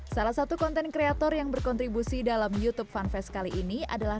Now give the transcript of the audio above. salah satu konten kreator yang berkontribusi dalam youtube fanfest kali ini adalah